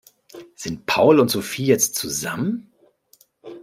Sind Paul und Sophie jetzt zusammen?